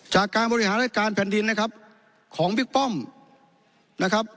จากการบริหารรายการแผ่นดินนะครับของบิ๊กป้อมนะครับ